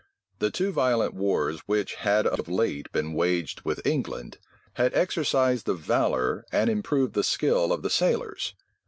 The two violent wars which had of late been waged with England, had exercised the valor and improved the skill of the sailors.